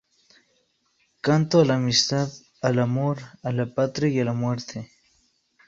Cantó a la amistad, al amor, a la patria y la muerte.